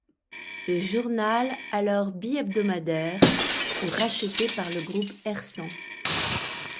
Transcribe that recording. Le journal, alors bihebdomadaire, fut racheté par le groupe Hersant.